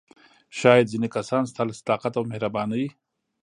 شاید ځینې کسان ستا له صداقت او مهربانۍ.